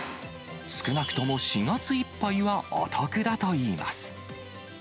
少なくとも４月いっぱいはお得だといいます。